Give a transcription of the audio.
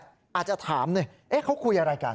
อาจจะถามหน่อยเขาคุยอะไรกัน